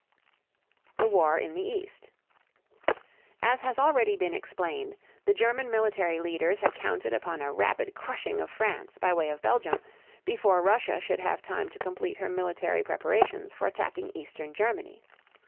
THE WAR IN THE EAST. As has already been explained, the German military leaders had counted upon a rapid crushing of France by way of Belgium before Russia should have time to complete her military preparations for attacking eastern Germany.